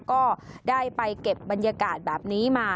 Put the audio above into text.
ก็ได้ไปเก็บบรรยากาศแบบนี้มา